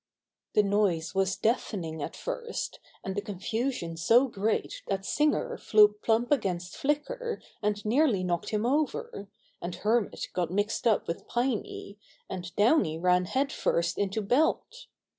The noise was deafening at first, and the confusion so great that Singer flew plump against Flicker and nearly knocked him over, and Hermit got mixed up with Piney, and Downey ran headfirst into Belt.